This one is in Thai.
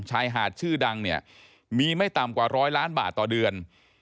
ชายหาดชื่อดังเนี่ยมีไม่ต่ำกว่าร้อยล้านบาทต่อเดือน